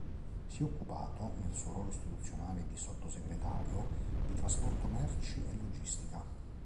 Si è occupato, nel suo ruolo istituzionale di Sottosegretario, di trasporto merci e logistica.